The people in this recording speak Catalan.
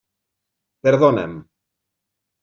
Perdona'm.